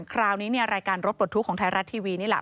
คราวนี้เนี่ยรายการรถปลดทุกข์ของไทยรัฐทีวีนี่แหละ